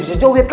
masa aku sedikit